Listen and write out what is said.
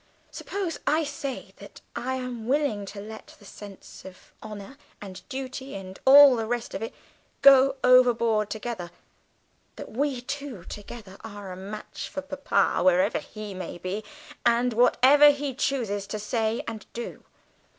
Suppose I say that I am willing to let the sense of honour and duty, and all the rest of it, go overboard together; that we two together are a match for Papa, wherever he may be and whatever he chooses to say and do?"